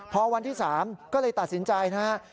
พอวันที่๓ก็เลยตัดสินใจนะครับ